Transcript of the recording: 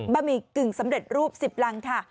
หมี่กึ่งสำเร็จรูป๑๐รังค่ะ